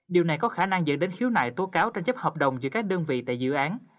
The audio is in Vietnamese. điều này có khả năng dẫn đến khiếu nại tố cáo tranh chấp hợp đồng giữa các đơn vị tại dự án